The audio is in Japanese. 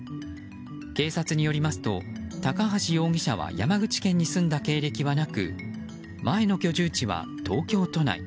警察によりますと高橋容疑者は山口県に住んだ経歴はなく前の居住地は東京都内。